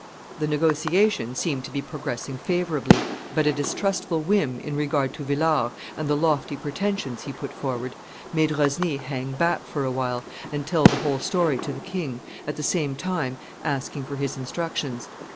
The negotiation seemed to be progressing favorably, but a distrustful whim in regard to Villars, and the lofty pretensions he put forward, made Rosny hang back for a while, and tell the whole story to the king, at the same time asking for his instructions.